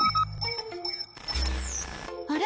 あれ？